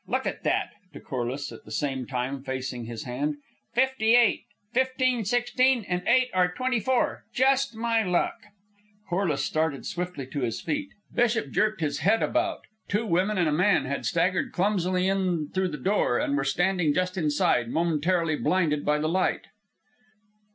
Look at that" to Corliss, at the same time facing his hand "fifteen eight, fifteen sixteen, and eight are twenty four. Just my luck!" Corliss started swiftly to his feet. Bishop jerked his head about. Two women and a man had staggered clumsily in through the door, and were standing just inside, momentarily blinded by the light.